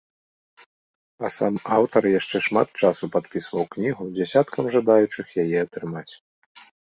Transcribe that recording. А сам аўтар яшчэ шмат часу падпісваў кнігу дзясяткам жадаючых яе атрымаць.